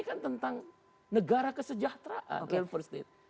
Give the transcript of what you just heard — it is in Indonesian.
ini kan tentang negara kesejahteraan real first aid